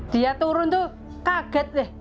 dia turun tuh kaget deh